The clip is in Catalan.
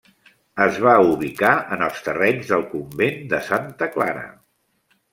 Es va ubicar en els terrenys del convent de Santa Clara.